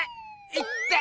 いって！